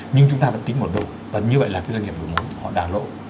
nhưng chúng ta vẫn tính một đô và như vậy là cái doanh nghiệp đối mối họ đàn lộ